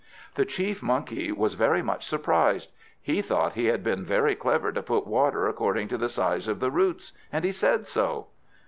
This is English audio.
The Chief Monkey was very much surprised. He thought he had been very clever to put water according to the size of the roots, and he said so.